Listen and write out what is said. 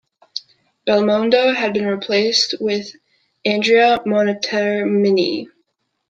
Belmondo had been replaced with Andrea Montermini.